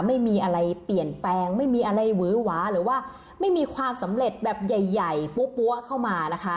ไม่มีอะไรเปลี่ยนแปลงไม่มีอะไรหวือหวาหรือว่าไม่มีความสำเร็จแบบใหญ่ปั๊วเข้ามานะคะ